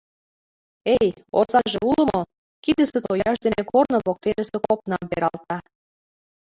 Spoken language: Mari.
«Эй, озаже уло мо?» — кидысе тояж дене корно воктенысе копнам пералта.